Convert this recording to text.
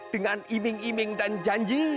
dengan iming iming dan janji